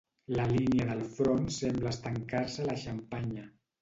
La línia del Front sembla estancar-se a la Xampanya.